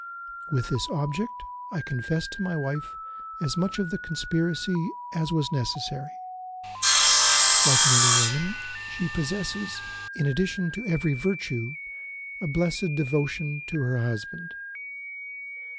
"With this object I confessed to my wife as much of the conspiracy as was necessary. Like many women, she possesses, in addition to every virtue, a blessed devotion to her husband.